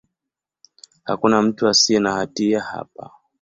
Hakuna mtu asiye na hatia hapa.